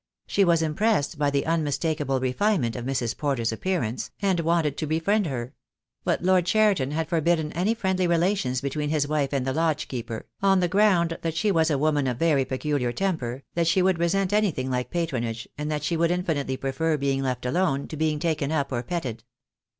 She was im pressed by the unmistakable refinement of Mrs. Porter's appearance, and wanted to befriend her; but Lord Cheriton had forbidden any friendly relations between his wife and the lodge keeper, on the ground that she was a woman of very peculiar temper, that she would resent anything like patronage, and that she would in finitely prefer being left alone to being taken up or petted.